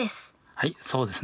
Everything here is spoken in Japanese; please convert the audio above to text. はいそうですね。